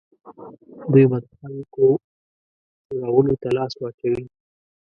دوی به د خلکو چورولو ته لاس واچوي.